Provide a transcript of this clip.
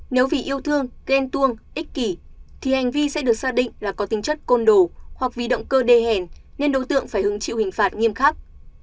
nếu vì yêu thương ghen tuông ích kỷ thì hành vi sẽ được xác định là có tính chất côn đồ hoặc vì động cơ đê hèn nên đối tượng phải hứng chịu hình phạt nghiêm khắc